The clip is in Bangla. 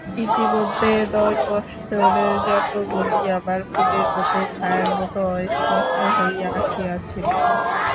ইতিমধ্যে দশবৎসরে জন্মভূমি আমার মনের মধ্যে ছায়ার মতো অস্পষ্ট হইয়া আসিয়াছিল।